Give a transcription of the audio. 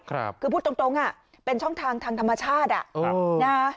คือพูดตรงเป็นช่องทางทางธรรมชาติ